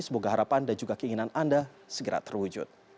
semoga harapan dan juga keinginan anda segera terwujud